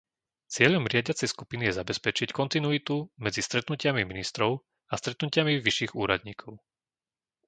Cieľom riadiacej skupiny je zabezpečiť kontinuitu medzi stretnutiami ministrov a stretnutiami vyšších úradníkov.